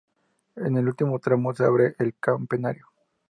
En el último tramo se abre el campanario.